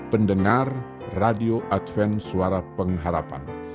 pendengar radio adven suara pengharapan